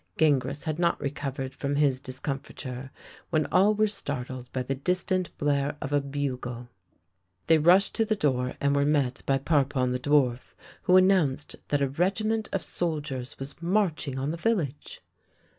Gingras had not recovered from his discomfiture when all were startled by the distant blare of a bugle. They rushed to the door, and were met by Parpon the dwarf, who announced that a regiment of soldiers was marching on the village.